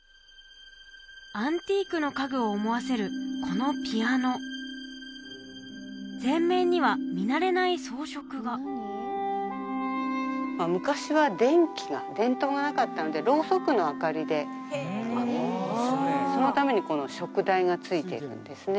アンティークの家具を思わせるこのピアノ前面には見慣れない装飾が昔は電気が電灯がなかったのでろうそくの明かりでそのためにこの燭台がついてるんですね